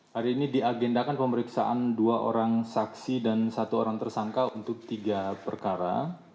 hari ini diagendakan pemeriksaan dua orang saksi dan satu orang tersangka untuk tiga perkara